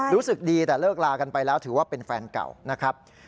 รู้สึกดีแต่เลิกลากันไปแล้วถือว่าเป็นแฟนเก่านะครับ